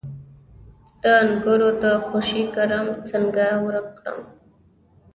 د انګورو د خوشې کرم څنګه ورک کړم؟